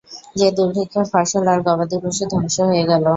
যে দুর্ভিক্ষে ফসল আর গবাদিপশু ধ্বংস হয়ে গেল।